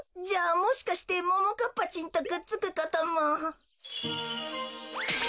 じゃあもしかしてももかっぱちんとくっつくことも。